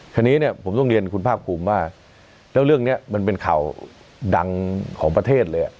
คราวนี้เนี่ยผมต้องเรียนคุณภาคภูมิว่าแล้วเรื่องนี้มันเป็นข่าวดังของประเทศเลย